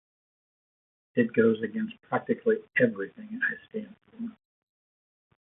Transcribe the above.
It goes against practically everything I stand for.